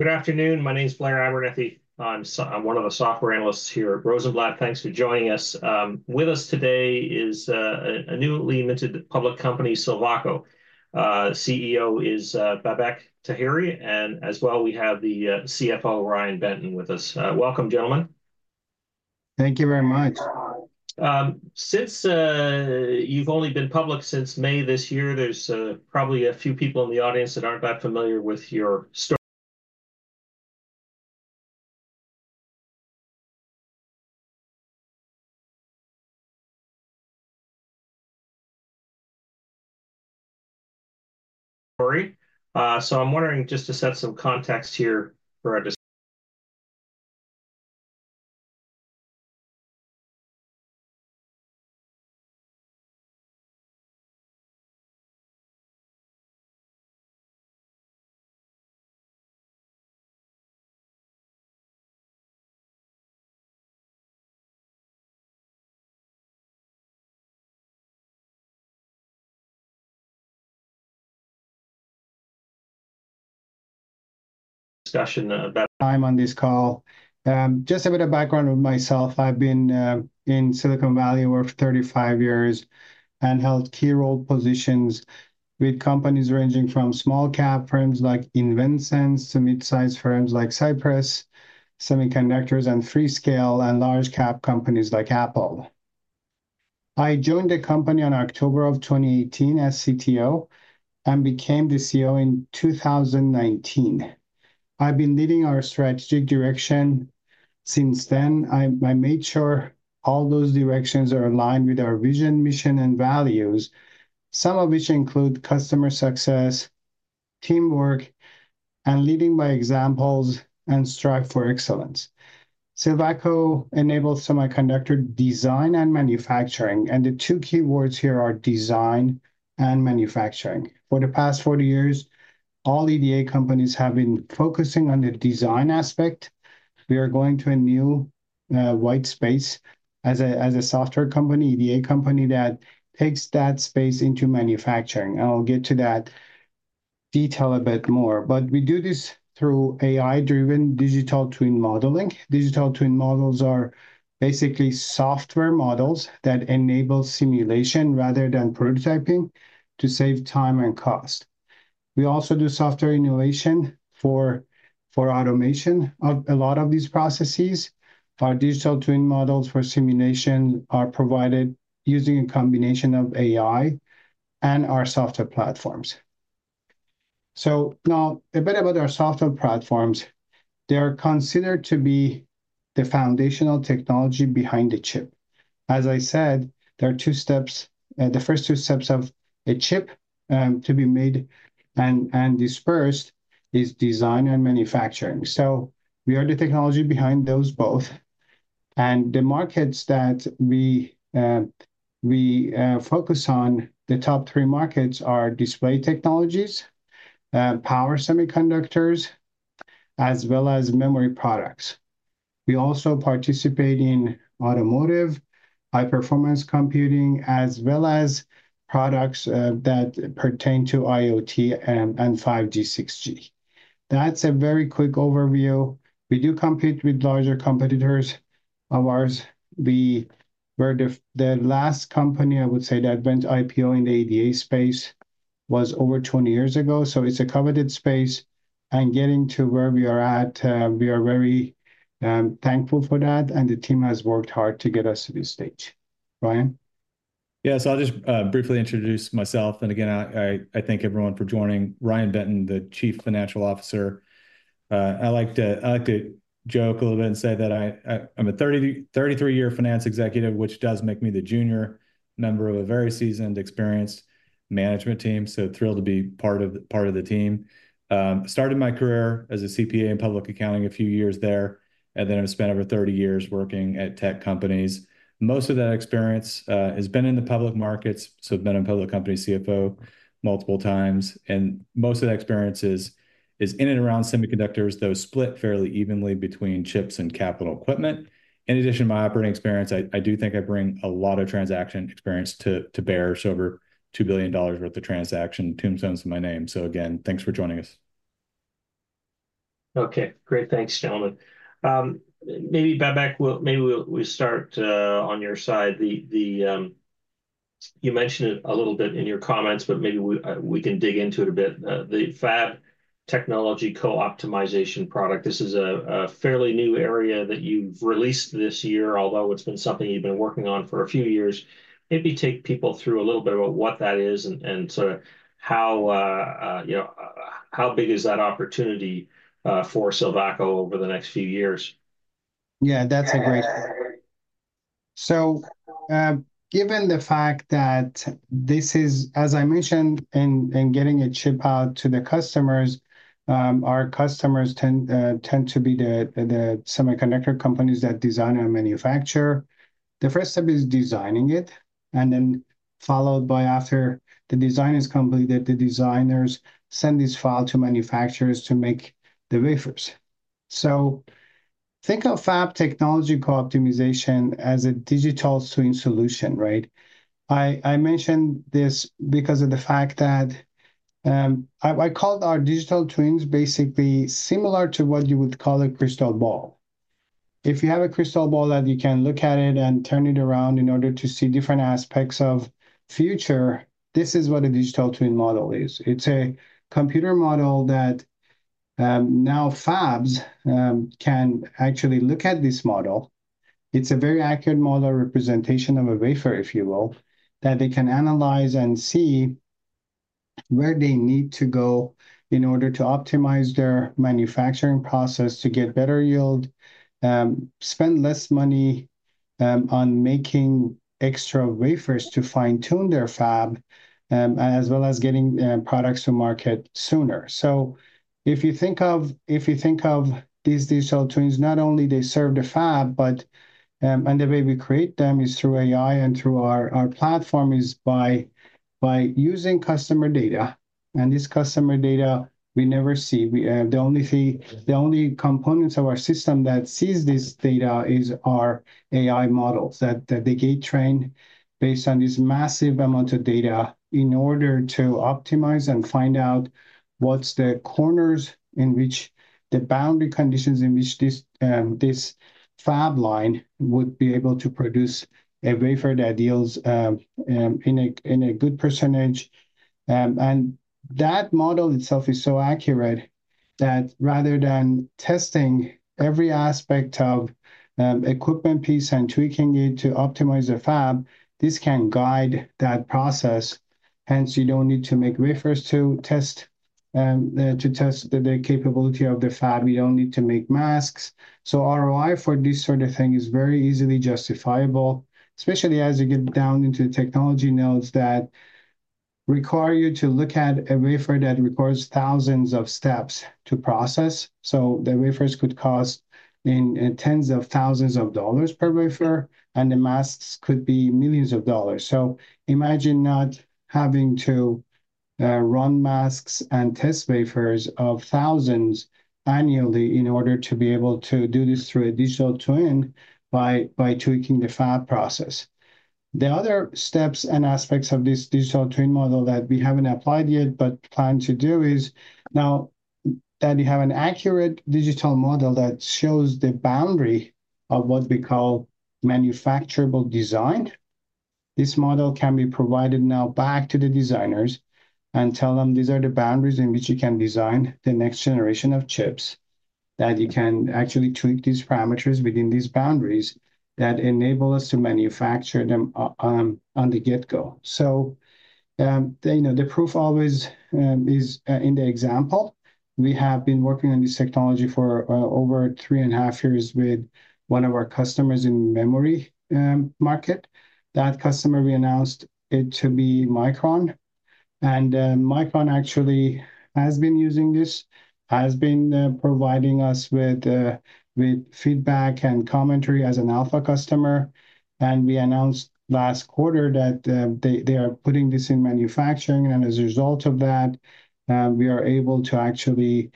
Good afternoon, my name is Blair Abernethy. I'm one of the software analysts here at Rosenblatt. Thanks for joining us. With us today is a newly minted public company, Silvaco. CEO is Babak Taheri, and as well we have the CFO, Ryan Benton, with us. Welcome, gentlemen. Thank you very much. Since you've only been public since May this year, there's probably a few people in the audience that aren't that familiar with your story. So I'm wondering, just to set some context here for our discuss- Time on this call. Just a bit of background of myself. I've been in Silicon Valley over 35 years and held key role positions with companies ranging from small cap firms like InvenSense, to mid-size firms like Cypress Semiconductor, and Freescale, and large cap companies like Apple. I joined the company on October of 2018 as CTO, and became the CEO in 2019. I've been leading our strategic direction since then. I made sure all those directions are aligned with our vision, mission, and values, some of which include customer success, teamwork, and leading by examples, and strive for excellence. Silvaco enables semiconductor design and manufacturing, and the two key words here are design and manufacturing. For the past 40 years, all EDA companies have been focusing on the design aspect. We are going to a new, white space as a software company, EDA company, that takes that space into manufacturing, and I'll get to that detail a bit more. But we do this through AI-driven digital twin modeling. Digital twin models are basically software models that enable simulation rather than prototyping to save time and cost. We also do software emulation for automation of a lot of these processes. Our digital twin models for simulation are provided using a combination of AI and our software platforms. So now a bit about our software platforms. They're considered to be the foundational technology behind the chip. As I said, there are two steps, the first two steps of a chip to be made and dispersed is design and manufacturing, so we are the technology behind those both. And the markets that we focus on, the top three markets are display technologies, power semiconductors, as well as memory products. We also participate in automotive, high-performance computing, as well as products that pertain to IoT and 5G, 6G. That's a very quick overview. We do compete with larger competitors of ours. We were the last company, I would say, that went IPO in the EDA space was over 20 years ago, so it's a coveted space, and getting to where we are at, we are very thankful for that, and the team has worked hard to get us to this stage. Ryan? Yeah, so I'll just briefly introduce myself, and again, I thank everyone for joining. Ryan Benton, the Chief Financial Officer. I like to joke a little bit and say that I'm a 33 year finance executive, which does make me the junior member of a very seasoned, experienced management team, so thrilled to be part of the team. Started my career as a CPA in public accounting, a few years there, and then I've spent over 30 years working at tech companies. Most of that experience has been in the public markets, so I've been a public company CFO multiple times, and most of the experience is in and around semiconductors, though split fairly evenly between chips and capital equipment. In addition to my operating experience, I do think I bring a lot of transaction experience to bear, so over $2 billion worth of transaction tombstones to my name. So again, thanks for joining us. Okay, great. Thanks, gentlemen. Maybe, Babak, we'll start on your side. You mentioned it a little bit in your comments, but maybe we can dig into it a bit, the Fab Technology Co-Optimization product. This is a fairly new area that you've released this year, although it's been something you've been working on for a few years. Maybe take people through a little bit about what that is and sort of how, you know, how big is that opportunity for Silvaco over the next few years? Yeah, that's a great. So, given the fact that this is, as I mentioned, in getting a chip out to the customers, our customers tend to be the semiconductor companies that design and manufacture. The first step is designing it, and then followed by after the design is completed, the designers send this file to manufacturers to make the wafers. So think of Fab Technology Co-Optimization as a digital twin solution, right? I mention this because of the fact that I called our digital twins basically similar to what you would call a crystal ball. If you have a crystal ball that you can look at it and turn it around in order to see different aspects of future, this is what a digital twin model is. It's a computer model that, now fabs, can actually look at this model. It's a very accurate model representation of a wafer, if you will, that they can analyze and see where they need to go in order to optimize their manufacturing process to get better yield, spend less money, on making extra wafers to fine-tune their fab, as well as getting, products to market sooner. So if you think of these digital twins, not only they serve the fab, but, and the way we create them is through AI and through our platform is by using customer data. And this customer data we never see. The only components of our system that sees this data is our AI models that they get trained based on this massive amount of data in order to optimize and find out what's the corners in which the boundary conditions in which this fab line would be able to produce a wafer that deals in a good percentage, and that model itself is so accurate that rather than testing every aspect of equipment piece and tweaking it to optimize the fab, this can guide that process, hence you don't need to make wafers to test the capability of the fab. You don't need to make masks. So ROI for this sort of thing is very easily justifiable, especially as you get down into the technology nodes that require you to look at a wafer that requires thousands of steps to process. So the wafers could cost in tens of thousands of dollars per wafer, and the masks could be millions of dollars. So imagine not having to run masks and test wafers of thousands annually in order to be able to do this through a digital twin by tweaking the fab process. The other steps and aspects of this digital twin model that we haven't applied yet, but plan to do, is now that we have an accurate digital model that shows the boundary of what we call manufacturable design, this model can be provided now back to the designers and tell them, "These are the boundaries in which you can design the next generation of chips, that you can actually tweak these parameters within these boundaries that enable us to manufacture them, on the get-go." So, you know, the proof always is in the example. We have been working on this technology for over three and a half years with one of our customers in memory market. That customer, we announced it to be Micron, and, Micron actually has been using this, providing us with feedback and commentary as an alpha customer. And we announced last quarter that, they are putting this in manufacturing, and as a result of that, we are able to actually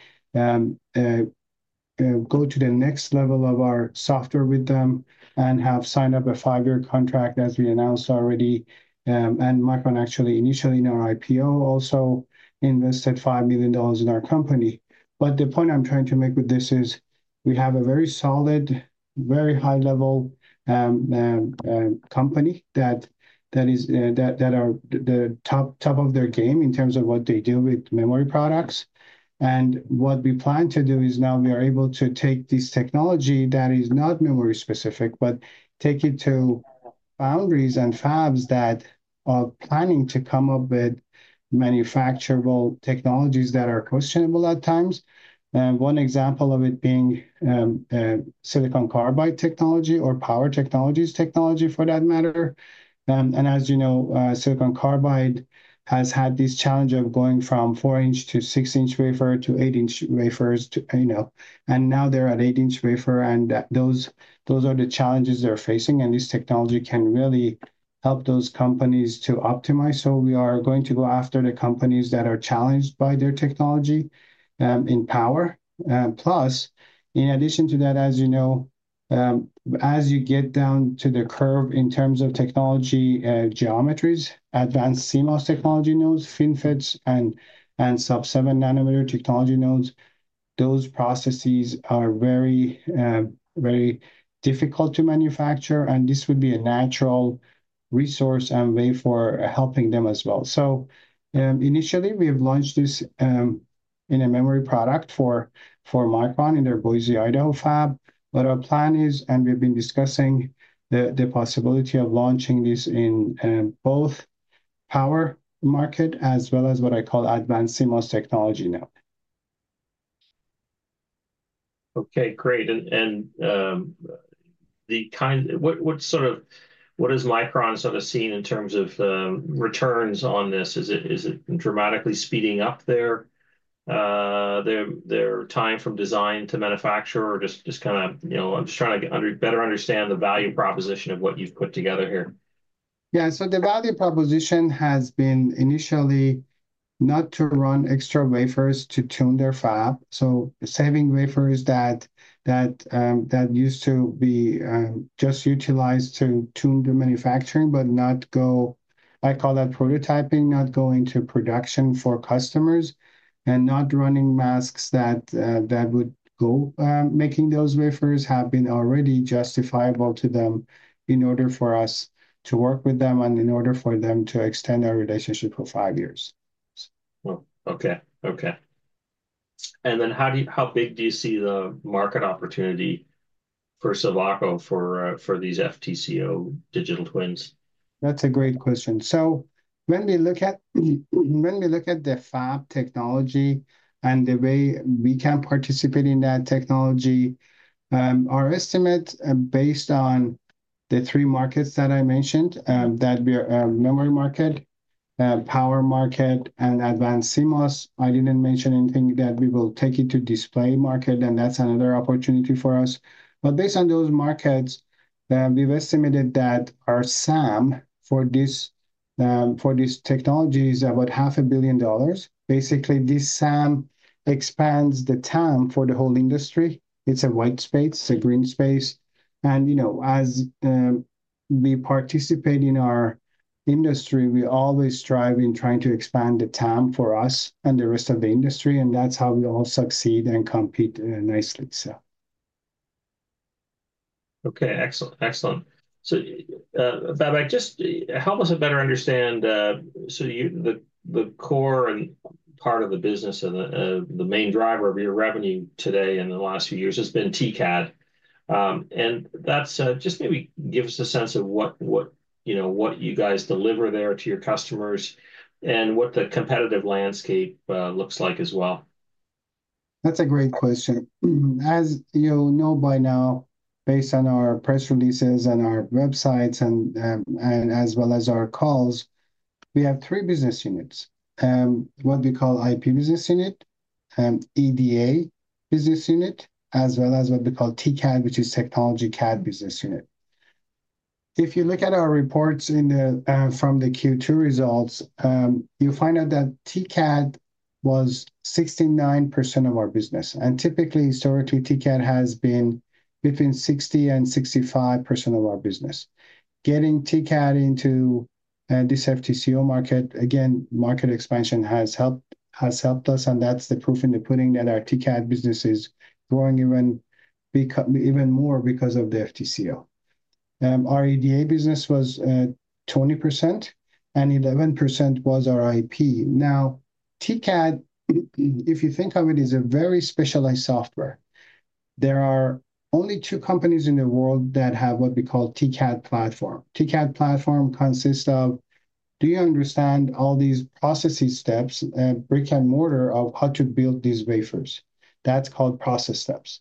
go to the next level of our software with them and have signed up a five-year contract, as we announced already. And Micron actually initially in our IPO also invested $5 million in our company. But the point I'm trying to make with this is, we have a very solid, very high-level company that is that are the top of their game in terms of what they do with memory products. And what we plan to do is now we are able to take this technology that is not memory-specific, but take it to foundries and fabs that are planning to come up with manufacturable technologies that are questionable at times. One example of it being silicon carbide technology or power technologies, technology for that matter. And as you know, silicon carbide has had this challenge of going from four-inch to six-inch wafer to eight-inch wafers to. And now they're at eight-inch wafer, and those are the challenges they're facing, and this technology can really help those companies to optimize. So we are going to go after the companies that are challenged by their technology in power. Plus, in addition to that, as you know, as you get down to the curve in terms of technology, geometries, advanced CMOS technology nodes, FinFETs, and sub-7 nm technology nodes, those processes are very, very difficult to manufacture, and this would be a natural resource and way for helping them as well. So, initially, we have launched this in a memory product for Micron in their Boise, Idaho fab. But our plan is, and we've been discussing the possibility of launching this in both power market as well as what I call advanced CMOS technology now. Okay, great. What is Micron sort of seeing in terms of returns on this? Is it dramatically speeding up their time from design to manufacturer, or just kind of... You know, I'm just trying to better understand the value proposition of what you've put together here.... Yeah, so the value proposition has been initially not to run extra wafers to tune their fab, so saving wafers that used to be just utilized to tune the manufacturing but not go- I call that prototyping, not going to production for customers, and not running masks that would go making those wafers have been already justifiable to them in order for us to work with them, and in order for them to extend our relationship for five years. Okay, okay, and then how do you- how big do you see the market opportunity for Silvaco for these FTCO digital twins? That's a great question. So when we look at the fab technology and the way we can participate in that technology, our estimate, based on the three markets that I mentioned, that we are, memory market, power market, and advanced CMOS, I didn't mention anything that we will take it to display market, and that's another opportunity for us. But based on those markets, we've estimated that our SAM for this technology is about $500 million. Basically, this SAM expands the TAM for the whole industry. It's a white space, it's a green space and, you know, as we participate in our industry, we always strive in trying to expand the TAM for us and the rest of the industry, and that's how we all succeed and compete nicely, so... Okay, excellent, excellent. So, Babak, just help us to better understand, so the core and part of the business and the main driver of your revenue today and in the last few years has been TCAD. And that's just maybe give us a sense of what you know what you guys deliver there to your customers, and what the competitive landscape looks like as well. That's a great question. As you know by now, based on our press releases and our websites and, and as well as our calls, we have three business units. What we call IP business unit, EDA business unit, as well as what we call TCAD, which is technology CAD business unit. If you look at our reports in the, from the Q2 results, you'll find out that TCAD was 69% of our business, and typically, historically, TCAD has been between 60%-65% of our business. Getting TCAD into, this FTCO market, again, market expansion has helped us, and that's the proof in the pudding that our TCAD business is growing even more because of the FTCO. Our EDA business was 20%, and 11% was our IP. Now, TCAD, if you think of it, is a very specialized software. There are only two companies in the world that have what we call TCAD platform. TCAD platform consists of, do you understand all these processes, steps, and brick and mortar of how to build these wafers? That's called process steps.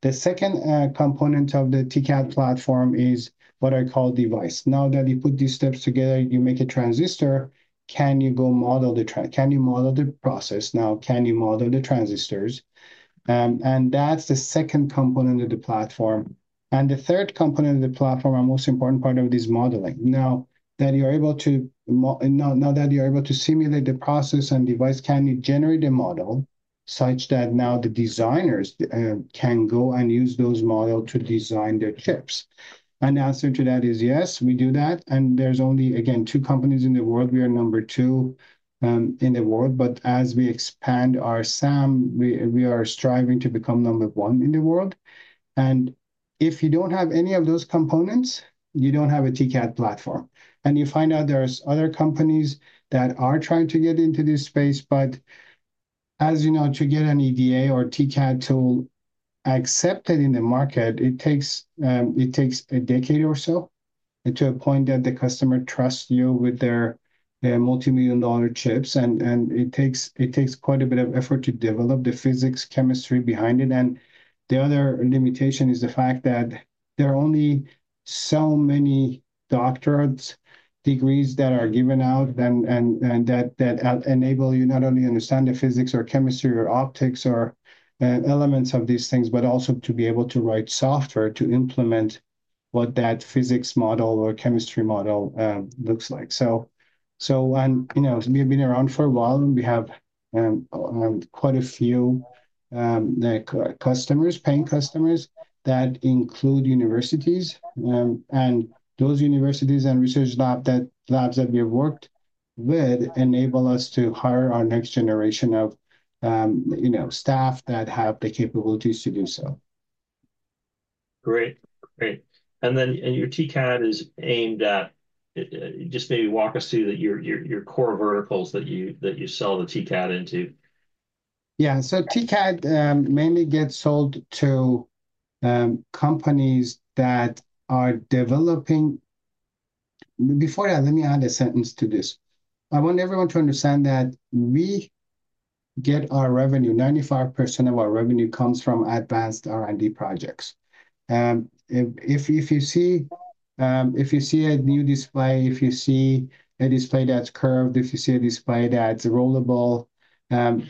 The second component of the TCAD platform is what I call device. Now that you put these steps together, you make a transistor, can you model the process now? Can you model the transistors? And that's the second component of the platform. And the third component of the platform, our most important part of it, is modeling. Now that you're able to simulate the process and device, can you generate a model such that now the designers can go and use those model to design their chips? And the answer to that is yes, we do that, and there's only, again, two companies in the world. We are number two in the world, but as we expand our SAM, we are striving to become number one in the world. And if you don't have any of those components, you don't have a TCAD platform. And you find out there's other companies that are trying to get into this space, but as you know, to get an EDA or TCAD tool accepted in the market, it takes a decade or so, and to a point that the customer trusts you with their multimillion-dollar chips. It takes quite a bit of effort to develop the physics, chemistry behind it. The other limitation is the fact that there are only so many doctorates degrees that are given out, and that enable you to not only understand the physics or chemistry or optics or elements of these things, but also to be able to write software to implement what that physics model or chemistry model looks like. You know, we've been around for a while, and we have quite a few, like, paying customers that include universities. Those universities and research labs that we have worked with enable us to hire our next generation of, you know, staff that have the capabilities to do so. Great, great. And then your TCAD is aimed at. Just maybe walk us through your core verticals that you sell the TCAD into. Yeah. So TCAD mainly gets sold to companies that are developing. Before that, let me add a sentence to this. I want everyone to understand that we get our revenue. 95% of our revenue comes from advanced R&D projects. If you see a new display, if you see a display that's curved, if you see a display that's rollable,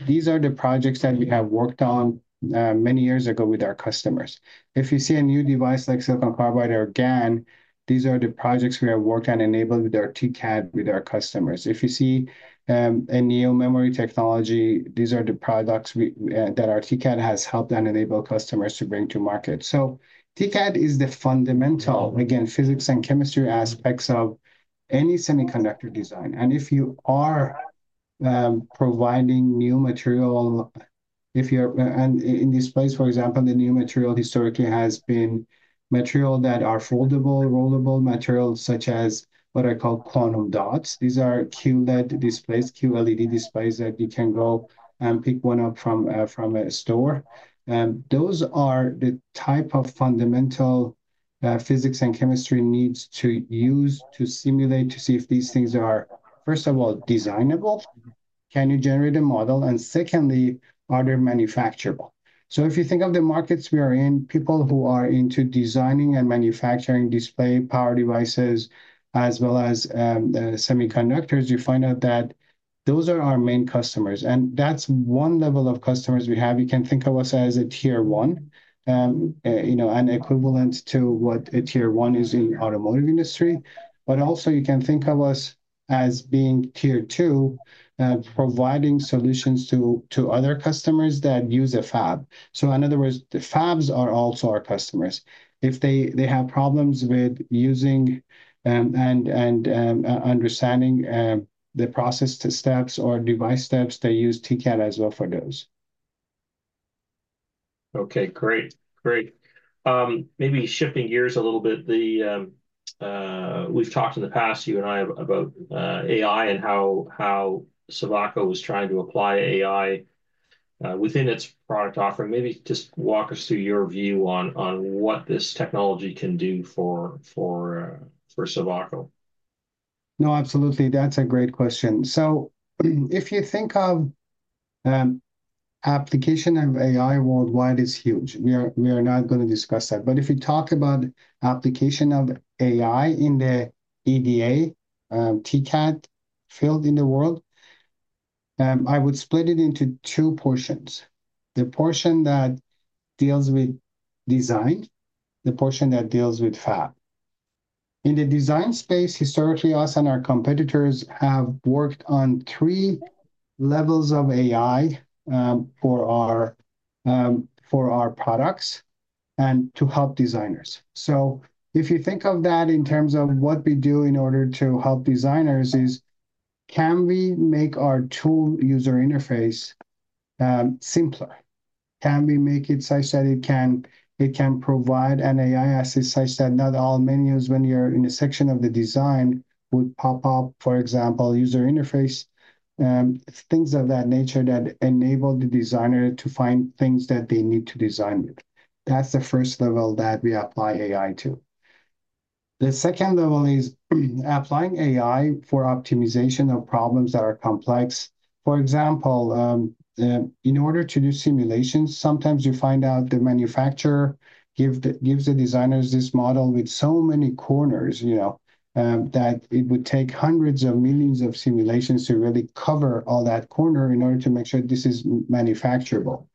these are the projects that we have worked on many years ago with our customers. If you see a new device like silicon carbide or GaN, these are the projects we have worked on enabled with our TCAD with our customers. If you see a new memory technology, these are the products that our TCAD has helped and enabled customers to bring to market. So TCAD is the fundamental, again, physics and chemistry aspects of any semiconductor design. And if you are providing new material, if you're in this place, for example, the new material historically has been material that are foldable, rollable materials, such as what are called quantum dots. These are QLED displays that you can go and pick one up from a store. Those are the type of fundamental physics and chemistry needs to use to simulate to see if these things are, first of all, designable, can you generate a model? And secondly, are they manufacturable? So if you think of the markets we are in, people who are into designing and manufacturing display power devices, as well as semiconductors, you find out that those are our main customers, and that's one level of customers we have. You can think of us as a tier one, you know, and equivalent to what a tier one is in automotive industry. But also you can think of us as being tier two, providing solutions to other customers that use a fab. So in other words, the fabs are also our customers. If they have problems with using and understanding the process to steps or device steps, they use TCAD as well for those. Okay, great. Great. Maybe shifting gears a little bit, we've talked in the past, you and I, about AI and how Silvaco was trying to apply AI within its product offering. Maybe just walk us through your view on what this technology can do for Silvaco. No, absolutely. That's a great question, so if you think of application of AI worldwide is huge. We are not gonna discuss that. But if you talk about application of AI in the EDA, TCAD field in the world, I would split it into two portions. The portion that deals with design, the portion that deals with fab. In the design space, historically, us and our competitors have worked on three levels of AI for our products and to help designers, so if you think of that in terms of what we do in order to help designers is, can we make our tool user interface simpler? Can we make it such that it can provide an AI assist such that not all menus when you're in a section of the design would pop up, for example, user interface, things of that nature that enable the designer to find things that they need to design with. That's the first level that we apply AI to. The second level is applying AI for optimization of problems that are complex. For example, in order to do simulations, sometimes you find out the manufacturer gives the designers this model with so many corners, you know, that it would take hundreds of millions of simulations to really cover all that corner in order to make sure this is manufacturable.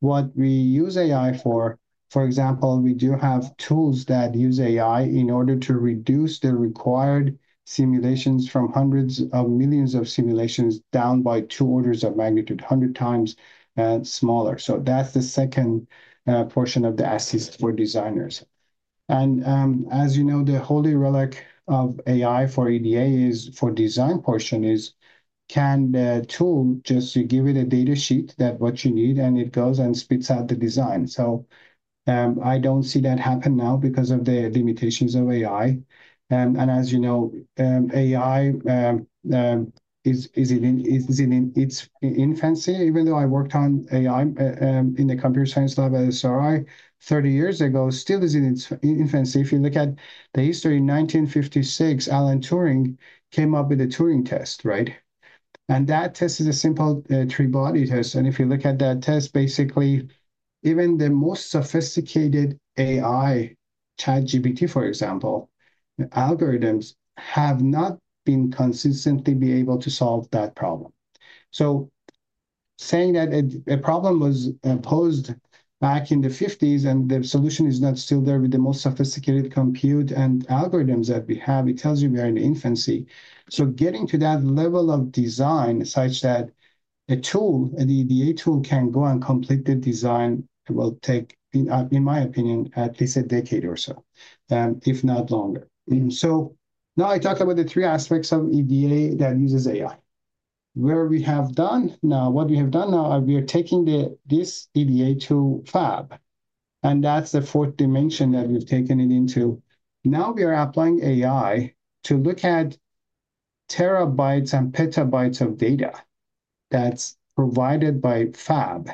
What we use AI for, for example, we do have tools that use AI in order to reduce the required simulations from hundreds of millions of simulations down by two orders of magnitude, a hundred times, smaller. So that's the second, portion of the assist for designers. And, as you know, the holy relic of AI for EDA is, for design portion is, can the tool just, you give it a data sheet that what you need, and it goes and spits out the design? So, I don't see that happen now because of the limitations of AI. And as you know, AI is in its infancy, even though I worked on AI in the computer science lab at SRI 30 years ago, still is in its infancy. If you look at the history, in 1956, Alan Turing came up with the Turing test, right? And that test is a simple three-body test. And if you look at that test, basically, even the most sophisticated AI, ChatGPT, for example, the algorithms have not consistently been able to solve that problem. So saying that a problem was posed back in the 1950s, and the solution is not still there with the most sophisticated compute and algorithms that we have, it tells you we are in the infancy. So getting to that level of design such that a tool, an EDA tool, can go and complete the design, will take, in my opinion, at least a decade or so, if not longer. So now I talked about the three aspects of EDA that uses AI. What we have done now, we are taking this EDA to fab, and that's the fourth dimension that we've taken it into. Now we are applying AI to look at terabytes and petabytes of data that's provided by fab.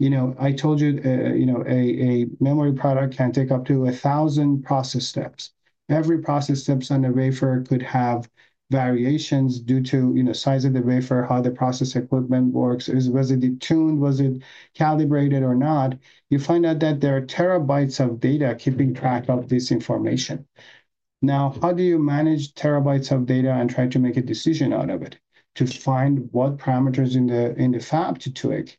You know, I told you, you know, a memory product can take up to a thousand process steps. Every process steps on a wafer could have variations due to, you know, size of the wafer, how the process equipment works. Was it detuned? Was it calibrated or not? You find out that there are terabytes of data keeping track of this information. Now, how do you manage terabytes of data and try to make a decision out of it to find what parameters in the fab to tweak?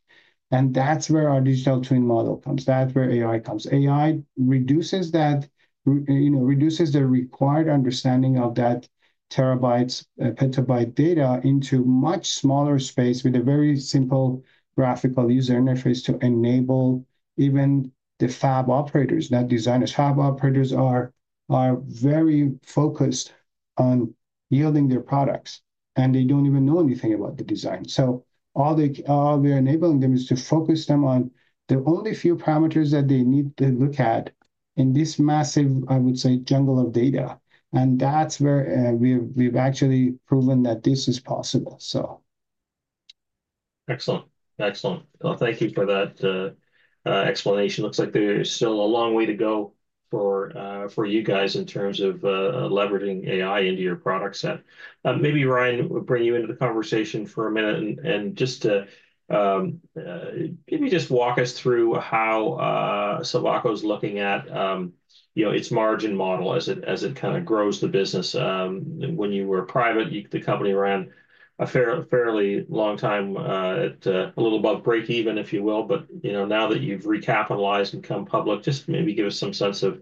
And that's where our digital twin model comes, that's where AI comes. AI reduces that you know, reduces the required understanding of that terabytes, petabyte data into much smaller space with a very simple graphical user interface to enable even the fab operators, not designers. Fab operators are very focused on yielding their products, and they don't even know anything about the design. So all they, all we're enabling them is to focus them on the only few parameters that they need to look at in this massive, I would say, jungle of data, and that's where we've actually proven that this is possible, so. Excellent. Excellent. Thank you for that, explanation. Looks like there's still a long way to go for, for you guys in terms of, leveraging AI into your product set. Maybe Ryan, we'll bring you into the conversation for a minute, and just to... Maybe just walk us through how, Silvaco's looking at, you know, its margin model as it, as it kind of grows the business. When you were private, the company ran a fairly long time, at, a little above break even, if you will. You know, now that you've recapitalized and come public, just maybe give us some sense of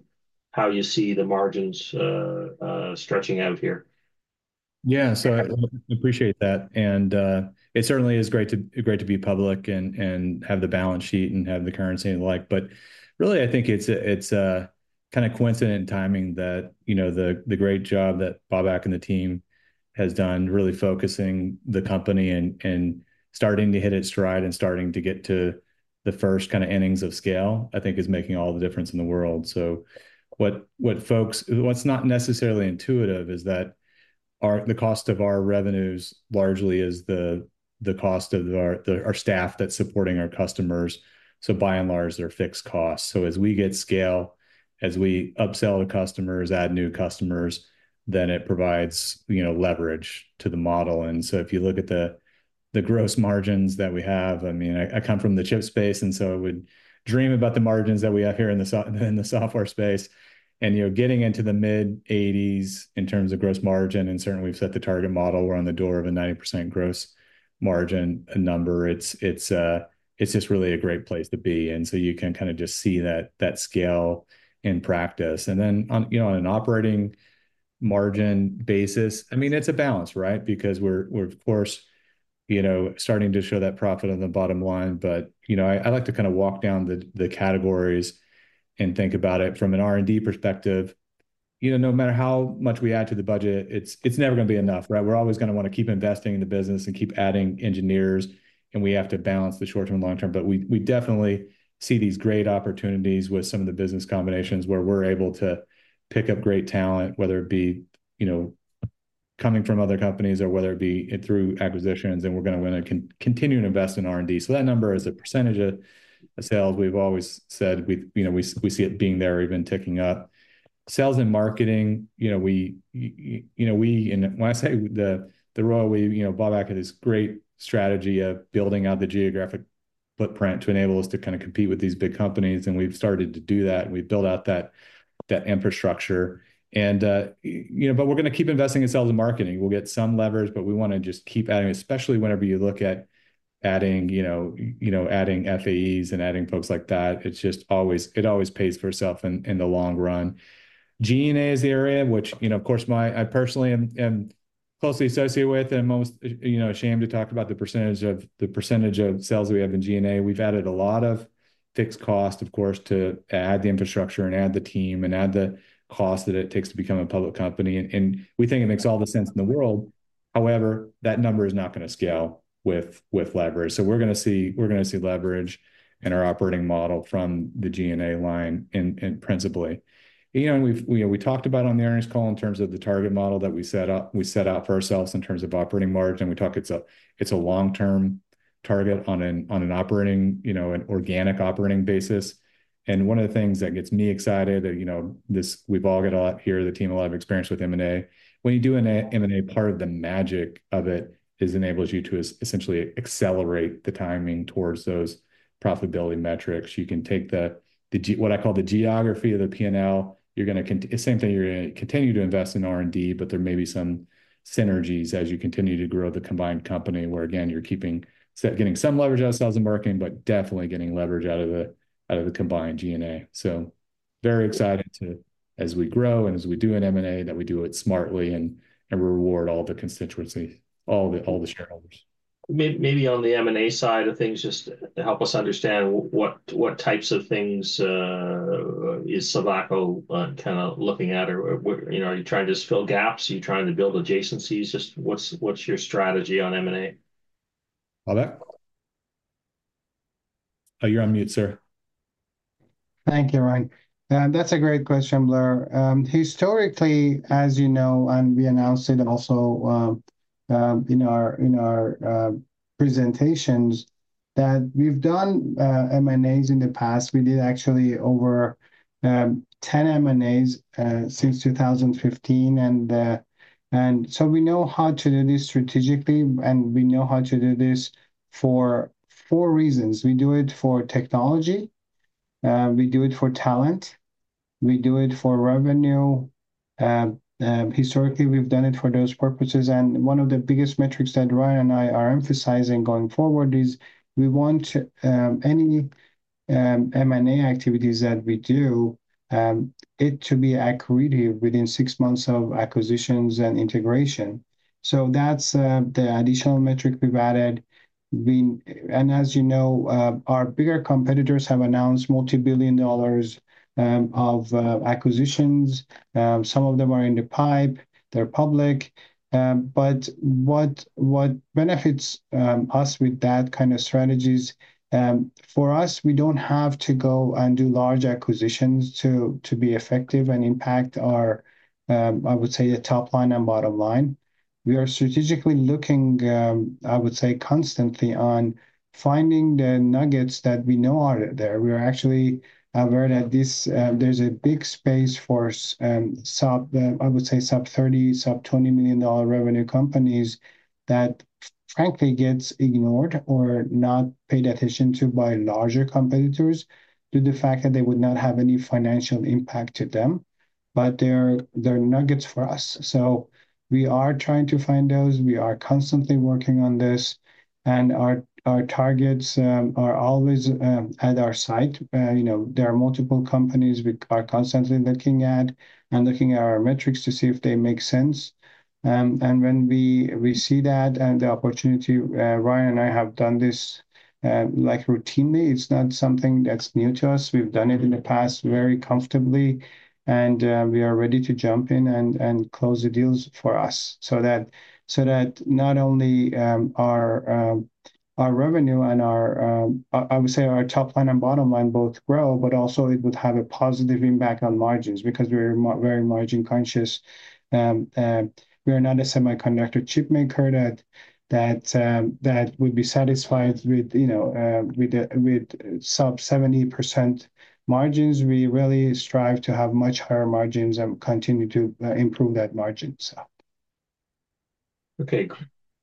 how you see the margins, stretching out here. Yeah, so I appreciate that, and it certainly is great to be public and have the balance sheet, and have the currency and the like. But really, I think it's a kind of coincidental timing that, you know, the great job that Babak and the team has done really focusing the company, and starting to hit its stride, and starting to get to the first kind of innings of scale, I think is making all the difference in the world. So what, folks, what's not necessarily intuitive is that the cost of our revenues largely is the cost of our staff that's supporting our customers, so by and large, they're fixed costs. So as we get scale, as we upsell the customers, add new customers, then it provides, you know, leverage to the model. If you look at the gross margins that we have. I mean, I come from the chip space, and so I would dream about the margins that we have here in the software space. You know, getting into the mid-80s% in terms of gross margin, and certainly we've set the target model. We're on the doorstep of a 90% gross margin number. It's just really a great place to be. You can kind of just see that scale in practice. Then on an operating margin basis, I mean, it's a balance, right? Because we're of course starting to show that profit on the bottom line. You know, I like to kind of walk down the categories and think about it from an R&D perspective. You know, no matter how much we add to the budget, it's never gonna be enough, right? We're always gonna wanna keep investing in the business and keep adding engineers, and we have to balance the short-term, long-term. But we definitely see these great opportunities with some of the business combinations, where we're able to pick up great talent, whether it be, you know, coming from other companies, or whether it be through acquisitions, and we're gonna wanna continue to invest in R&D. So that number, as a percentage of sales, we've always said, you know, we see it being there or even ticking up. Sales and marketing, you know, you know, we... And when I say the royal we, you know, Babak had this great strategy of building out the geographic footprint to enable us to kind of compete with these big companies, and we've started to do that, and we've built out that infrastructure. And, you know, but we're gonna keep investing in sales and marketing. We'll get some levers, but we wanna just keep adding, especially whenever you look at adding, you know, adding FAEs and adding folks like that. It's just always, it always pays for itself in the long run. G&A is the area which, you know, of course, I personally am closely associated with, and you know, ashamed to talk about the percentage of, the percentage of sales we have in G&A. We've added a lot of fixed cost, of course, to add the infrastructure, and add the team, and add the cost that it takes to become a public company, and we think it makes all the sense in the world. However, that number is not gonna scale with leverage. So we're gonna see leverage in our operating model from the G&A line principally. You know, and we've, you know, we talked about on the earnings call in terms of the target model that we set up, we set out for ourselves in terms of operating margin, and we talk it's a long-term target on an operating, you know, an organic operating basis. And one of the things that gets me excited, you know, this, we've all got a lot here, the team, a lot of experience with M&A. When you do an M&A, part of the magic of it is enables you to essentially accelerate the timing towards those profitability metrics. You can take what I call the geography of the P&L. You're gonna continue to invest in R&D, but there may be some synergies as you continue to grow the combined company, where again, you're getting some leverage out of sales and marketing, but definitely getting leverage out of the combined G&A. So very excited to, as we grow and as we do an M&A, that we do it smartly and reward all the constituencies, all the shareholders. Maybe on the M&A side of things, just help us understand what types of things is Silvaco kind of looking at? Or, you know, are you trying to just fill gaps? Are you trying to build adjacencies? Just what's your strategy on M&A? Babak? You're on mute, sir. Thank you, Ryan. That's a great question, Blair. Historically, as you know, and we announced it also, in our presentations, that we've done M&As in the past. We did actually over 10 M&As since 2015, and so we know how to do this strategically, and we know how to do this for four reasons. We do it for technology, we do it for talent, we do it for revenue. Historically, we've done it for those purposes, and one of the biggest metrics that Ryan and I are emphasizing going forward is we want any M&A activities that we do it to be accretive within six months of acquisitions and integration. So that's the additional metric we've added. As you know, our bigger competitors have announced multi-billion-dollar acquisitions. Some of them are in the pipe, they're public. What benefits us with that kind of strategies, for us, we don't have to go and do large acquisitions to be effective and impact our, I would say our top line and bottom line. We are strategically looking, I would say, constantly on finding the nuggets that we know are there. We are actually aware that this, there's a big space for sub-$30 million, sub-$20 million revenue companies that frankly gets ignored or not paid attention to by larger competitors, due to the fact that they would not have any financial impact to them, but they're nuggets for us. We are trying to find those. We are constantly working on this, and our targets are always in our sights. You know, there are multiple companies we are constantly looking at, and looking at our metrics to see if they make sense, and when we see that and the opportunity, Ryan and I have done this like routinely. It's not something that's new to us. We've done it in the past very comfortably, and we are ready to jump in and close the deals for us, so that not only our revenue and our, I would say, our top line and bottom line both grow, but also it would have a positive impact on margins, because we're very margin conscious. We are not a semiconductor chipmaker that would be satisfied with, you know, with sub-70% margins. We really strive to have much higher margins and continue to improve that margin, so. Okay,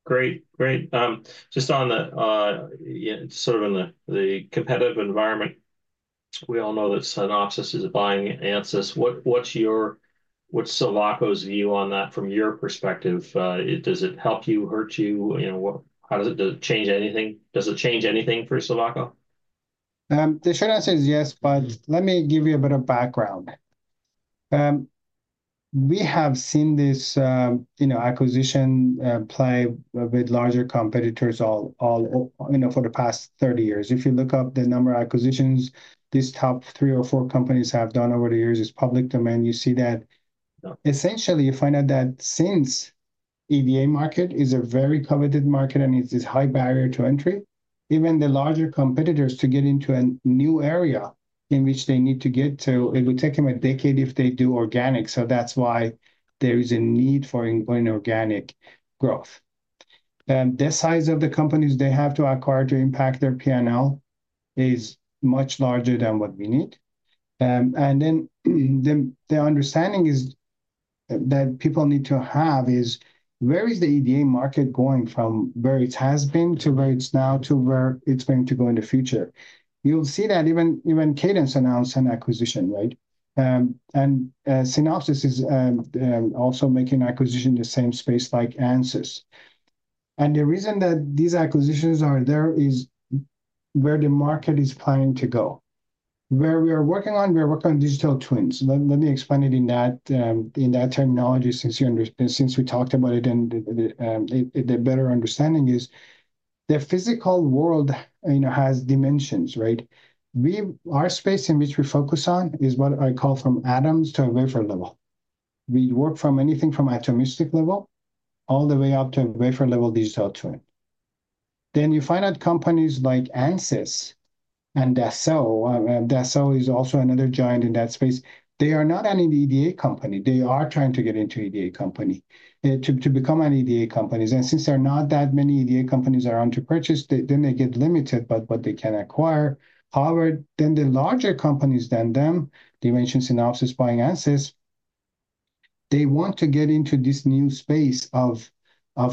great. Great, just on the, sort of in the, the competitive environment, we all know that Synopsys is buying Ansys. What's your- what's Silvaco's view on that from your perspective? Does it help you, hurt you? You know, how does it change anything? Does it change anything for Silvaco? The short answer is yes, but let me give you a bit of background. We have seen this, you know, acquisition play with larger competitors all over you know, for the past thirty years. If you look up the number of acquisitions these top three or four companies have done over the years, it's public domain, you see that essentially you find out that since EDA market is a very coveted market and it is high barrier to entry, even the larger competitors to get into a new area in which they need to get to, it would take them a decade if they do organic. So that's why there is a need for inorganic growth. The size of the companies they have to acquire to impact their P&L is much larger than what we need. The understanding is that people need to have is where is the EDA market going from where it has been, to where it's now, to where it's going to go in the future? You'll see that Cadence announced an acquisition, right? Synopsys is also making acquisition in the same space like Ansys. And the reason that these acquisitions are there is where the market is planning to go. Where we are working on digital twins. Let me explain it in that terminology, since we talked about it, the better understanding is the physical world, you know, has dimensions, right? Our space in which we focus on is what I call from atoms to a wafer level. We work from anything from atomistic level, all the way up to a wafer level digital twin. Then you find out companies like Ansys and Dassault. Dassault is also another giant in that space. They are not an EDA company. They are trying to get into EDA company, to become an EDA companies, and since there are not that many EDA companies around to purchase, then they get limited by what they can acquire. However, then the larger companies than them, Synopsys buying Ansys, they want to get into this new space of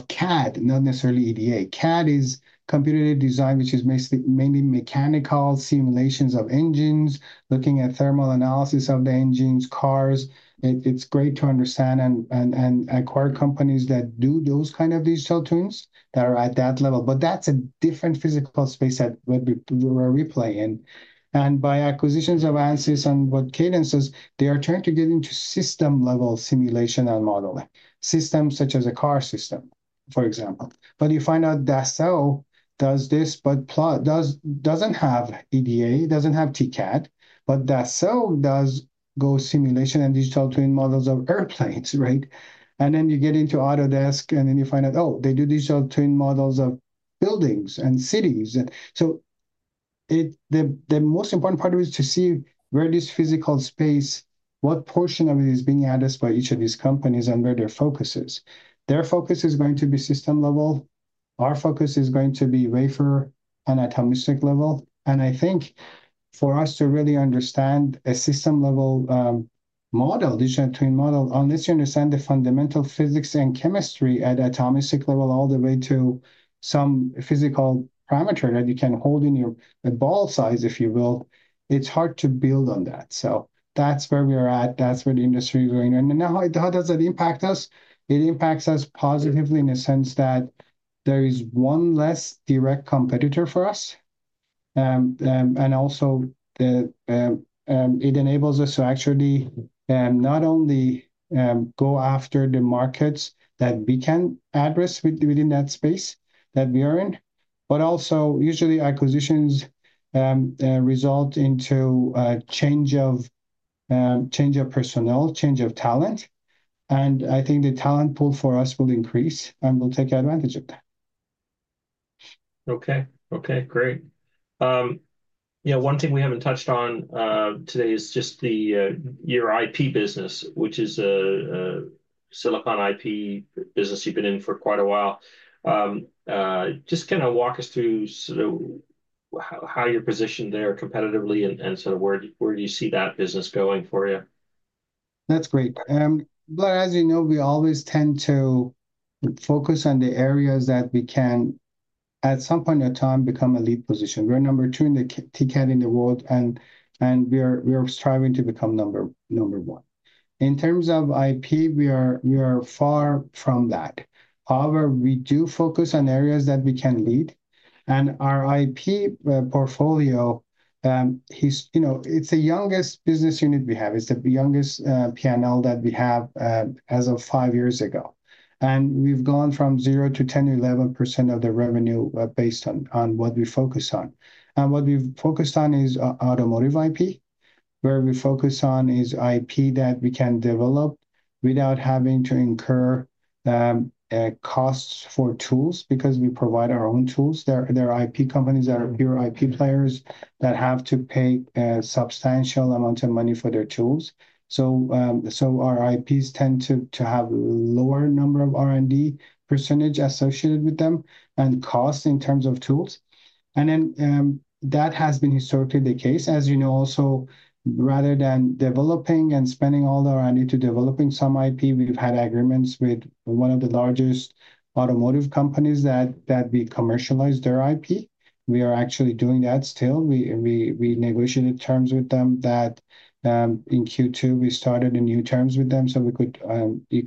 CAD, not necessarily EDA. CAD is computer-aided design, which is basically mainly mechanical simulations of engines, looking at thermal analysis of the engines, cars. It's great to understand and acquire companies that do those kind of digital twins that are at that level, but that's a different physical space that where we play in. And by acquisitions of Ansys and what Cadence is, they are trying to get into system-level simulation and modeling. Systems such as a car system, for example. But you find out Dassault does this, but doesn't have EDA, it doesn't have TCAD, but Dassault does go simulation and digital twin models of airplanes, right? And then you get into Autodesk, and then you find out, oh, they do digital twin models of buildings and cities. And so the most important part of it is to see where this physical space, what portion of it is being addressed by each of these companies, and where their focus is. Their focus is going to be system level, our focus is going to be wafer and atomistic level. And I think for us to really understand a system level model, design between model, unless you understand the fundamental physics and chemistry at atomistic level all the way to some physical parameter that you can hold in your, a ball size, if you will, it's hard to build on that. So that's where we are at, that's where the industry is going. And then now, how does that impact us? It impacts us positively in the sense that there is one less direct competitor for us. And also, it enables us to actually not only go after the markets that we can address within that space that we are in, but also usually acquisitions result into a change of personnel, change of talent. And I think the talent pool for us will increase, and we'll take advantage of that. Okay. Okay, great. You know, one thing we haven't touched on today is just the your IP business, which is a silicon IP business you've been in for quite a while. Just kinda walk us through sort of how you're positioned there competitively, and sort of where do you see that business going for you? That's great. But as you know, we always tend to focus on the areas that we can, at some point in time, become a lead position. We're number two in the TCAD in the world, and we are striving to become number one. In terms of IP, we are far from that. However, we do focus on areas that we can lead, and our IP portfolio, you know, it's the youngest business unit we have. It's the youngest P&L that we have, as of five years ago. And we've gone from zero to 10%-11% of the revenue, based on what we focus on. And what we've focused on is automotive IP, where we focus on is IP that we can develop without having to incur costs for tools, because we provide our own tools. There are IP companies that are pure IP players that have to pay a substantial amount of money for their tools. So our IPs tend to have lower number of R&D percentage associated with them, and cost in terms of tools. And then that has been historically the case. As you know, also, rather than developing and spending all the R&D to developing some IP, we've had agreements with one of the largest automotive companies that we commercialize their IP. We are actually doing that still. We negotiated terms with them that in Q2 we started a new terms with them, so we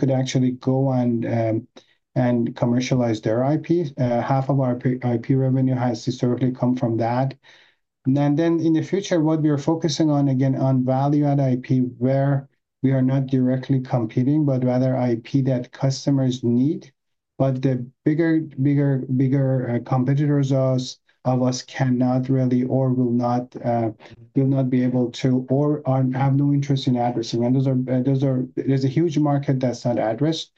could actually go and commercialize their IP. Half of our IP revenue has historically come from that. And then in the future, what we are focusing on, again, on value add IP, where we are not directly competing, but rather IP that customers need, but the bigger competitors of us cannot really or will not be able to, or have no interest in addressing. And those are... There's a huge market that's not addressed.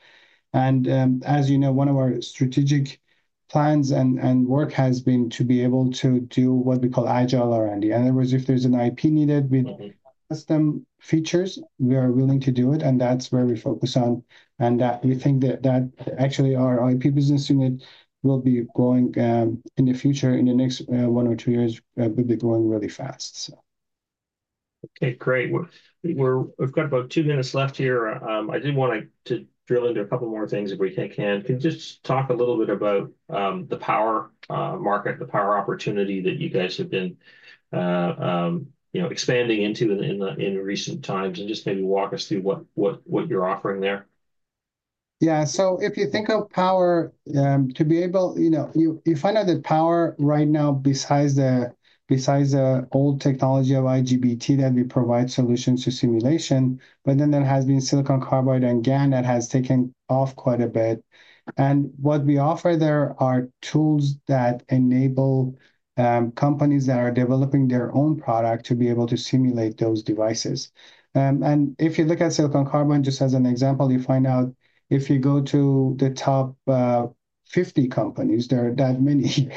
And as you know, one of our strategic plans and work has been to be able to do what we call agile R&D. In other words, if there's an IP needed with-system features, we are willing to do it, and that's where we focus on, and that we think actually our IP business unit will be growing in the future, in the next one or two years, really fast, so. Okay, great. We're, we've got about two minutes left here. I did want to drill into a couple more things if we can. Can you just talk a little bit about the power market, the power opportunity that you guys have been, you know, expanding into in recent times? And just maybe walk us through what you're offering there. Yeah, so if you think of power, to be able. You know, you find out that power right now, besides the old technology of IGBT, that we provide solutions to simulation, but then there has been silicon carbide and GaN that has taken off quite a bit. And what we offer there are tools that enable companies that are developing their own product to be able to simulate those devices. And if you look at silicon carbide, just as an example, you find out if you go to the top 50 companies, there are that many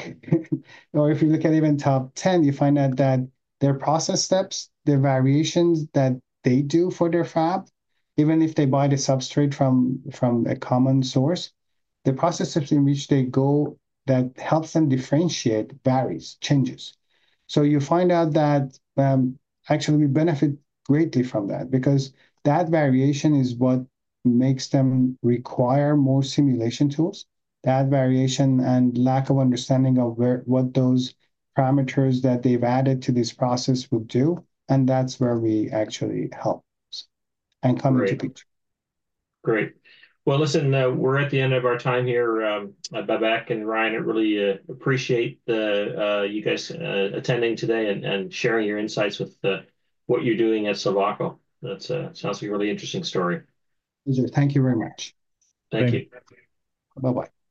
or if you look at even top 10, you find out that their process steps, the variations that they do for their fab, even if they buy the substrate from a common source, the process steps in which they go, that helps them differentiate various changes. You find out that, actually, we benefit greatly from that, because that variation is what makes them require more simulation tools. That variation and lack of understanding of what those parameters that they've added to this process will do, and that's where we actually help and come into picture. Great. Great. Well, listen, we're at the end of our time here, Babak and Ryan. I really appreciate you guys attending today and sharing your insights with what you're doing at Silvaco. That sounds a really interesting story. Thank you very much. Thank you. Bye-bye.